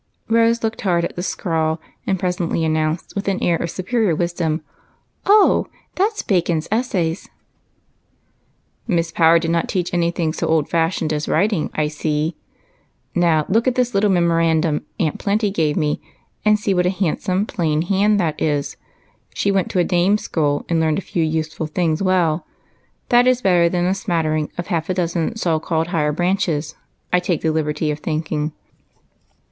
Rose looked hard at the scrawl, and j^resently an nounced, with an air of superior wisdom, —" Oh, that 's ' Bacon's Essays.' "" Miss Power did not teach any tiling so old fashioned as writing, I see. Now look at this little memorandum Aunt Plenty gave me, and see what a handsome plain hand that is. She went to a dame school and learnt a few useful things well ; that is better than a smatter ing of half a dozen so called higher branches, I take the liberty of thinking."